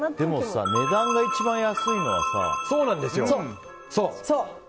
でも値段が一番安いのは。